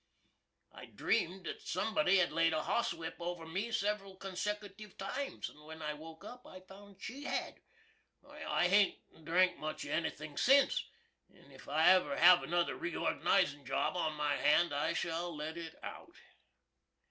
I dream'd that sumbody had laid a hosswhip over me sev'ril conseckootiv times; and when I woke up I found she had. I hain't drank much of anythin' since, and if I ever have another reorganizin' job on hand I shall let it out.